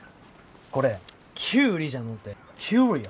これキュウリじゃのうてキュウリオ。